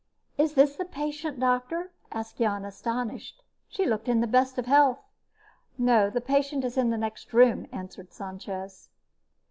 "Is this the patient, Doctor?" asked Jan, astonished. She looked in the best of health. "No, the patient is in the next room," answered Sanchez.